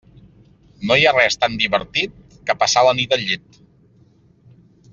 No hi ha res tan divertit que passar la nit al llit.